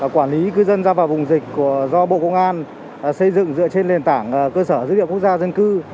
quản lý cư dân ra vào vùng dịch do bộ công an xây dựng dựa trên nền tảng cơ sở dữ liệu quốc gia dân cư